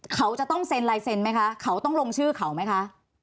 เขาจะต้องเซ็นลายเซ็นไหมคะเขาต้องลงชื่อเขาไหมคะ